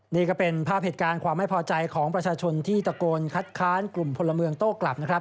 นี่ก็เป็นภาพเหตุการณ์ความไม่พอใจของประชาชนที่ตะโกนคัดค้านกลุ่มพลเมืองโต้กลับนะครับ